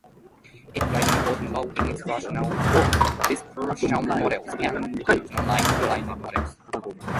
It plays an important role in exponential dispersion models and generalized linear models.